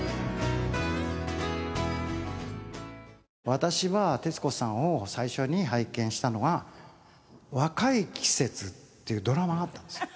私は徹子さんを最初に拝見したのは『若い季節』っていうドラマがあったんですよ